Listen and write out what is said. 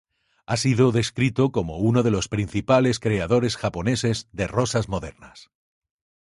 Ha sido descrito como uno de los principales creadores japoneses de rosas modernas.